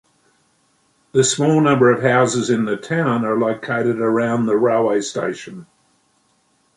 The small number of houses in the town are located around the railway station.